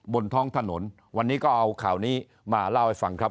บนท้องถนนวันนี้ก็เอาข่าวนี้มาเล่าให้ฟังครับ